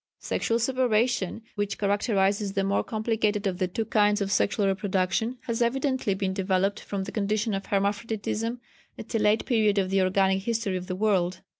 "Sexual separation, which characterises the more complicated of the two kinds of sexual reproduction, has evidently been developed from the condition of hermaphroditism at a late period of the organic history of the world.